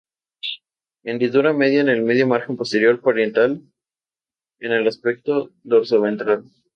Hendidura media en el margen posterior parietal en aspecto dorsoventral.